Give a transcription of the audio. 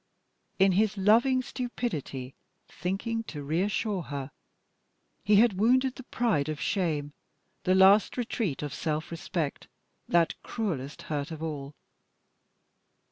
In his loving stupidity, thinking to reassure her, he had wounded the pride of shame, the last retreat of self respect, that cruellest hurt of all.